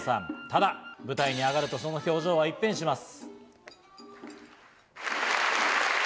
ただ舞台に上がるとその表情は一変します。